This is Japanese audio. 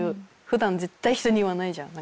普段絶対人に言わないじゃん。